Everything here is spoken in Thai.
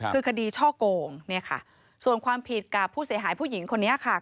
คือคดีช่อโกงเนี่ยค่ะส่วนความผิดกับผู้เสียหายผู้หญิงคนนี้ค่ะ